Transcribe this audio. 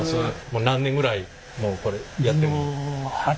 もう何年ぐらいもうこれやってる？